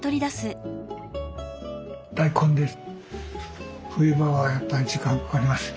大根です。